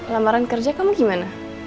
lamaran kerja kamu gimana